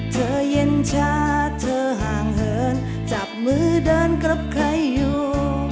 เย็นชาเธอห่างเหินจับมือเดินกับใครอยู่